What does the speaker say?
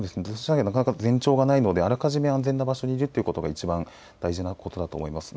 土砂災害、前兆がないのであらかじめ安全な場所にいることが一番大事なことだと思います。